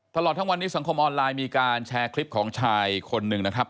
ตลอดทั้งวันนี้สังคมออนไลน์มีการแชร์คลิปของชายคนหนึ่งนะครับ